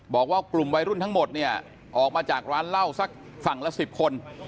บอกว่ากลุ่มวัยรุ่นทั้งหมดเนี่ยออกมาจากร้านเหล้าสักฝั่งละ๑๐คน